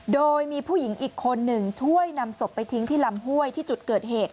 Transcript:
โดยมีผู้หญิงอีกคนหนึ่งช่วยนำศพไปทิ้งที่ลำห้วยที่จุดเกิดเหตุ